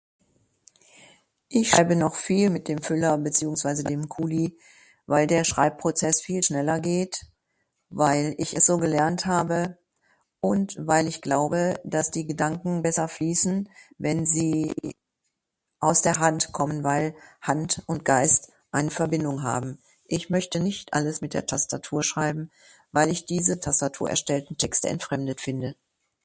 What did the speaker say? Ich schreibe noch viel mit dem Füller, beziehungsweise dem Kuli, weil der Schreibprozess viel schneller geht. Weil ich es so gelernt habe und weil ich glaube das die Gedanken besser fließen, wenn Sie aus der Hand kommen weil Hand und Geist eine Verbindung haben. Ich möchte nicht alles mit der Tastatur schreiben, weil ich diese Tastaturerstellten Texte entfremdet finde.